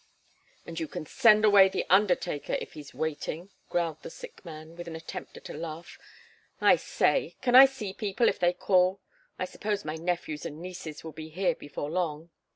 "And you can send away the undertaker, if he's waiting," growled the sick man, with an attempt at a laugh. "I say can I see people, if they call? I suppose my nephews and nieces will be here before long."